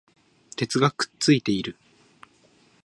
鉄がくっついている